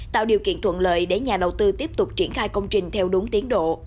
tạo điều kiện thuận lợi để nhà đầu tư tiếp tục triển khai công trình theo đúng tiến độ